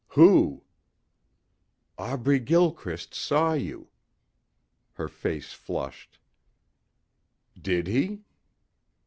"Who?" "Aubrey Gilchrist saw you." Her face flushed. "Did he?"